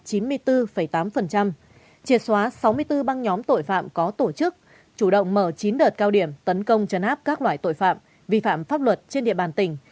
triệt xóa sáu mươi bốn băng nhóm tội phạm có tổ chức chủ động mở chín đợt cao điểm tấn công chấn áp các loại tội phạm vi phạm pháp luật trên địa bàn tỉnh